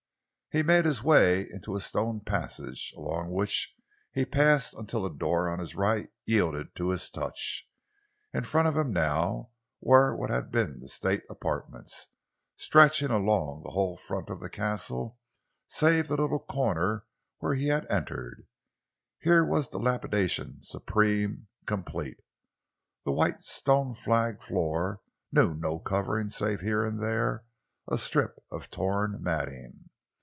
He made his way into a stone passage, along which he passed until a door on his right yielded to his touch. In front of him now were what had been the state apartments, stretching along the whole front of the castle save the little corner where he had entered. Here was dilapidation supreme, complete. The white, stone flagged floor knew no covering save here and there a strip of torn matting.